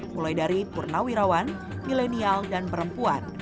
mulai dari purnawirawan milenial dan perempuan